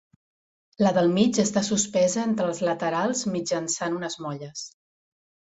La del mig està suspesa entre els laterals mitjançant unes molles.